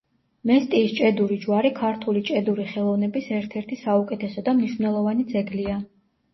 მესტიის ჭედური ჯვარი ქართული ჭედური ხელოვნების ერთ-ერთი საუკეთესო და მნიშვნელოვანი ძეგლია.